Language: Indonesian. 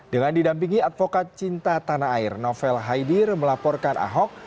dengan didampingi advokat cinta tanah air novel haidir melaporkan ahok